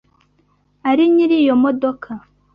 Ari nyiri iyo modoka?